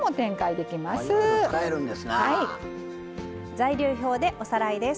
材料表でおさらいです。